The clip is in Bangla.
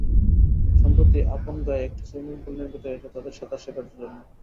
সম্প্রতি আপনগাঁয়ে একটি সুইমিং পুল নির্মিত হয়েছে তাদের সাঁতার শেখার জন্য।